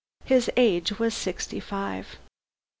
His age was sixty five.